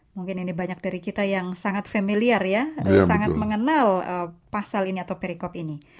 mungkin ini banyak dari kita yang sangat familiar ya sangat mengenal pasal ini atau perikop ini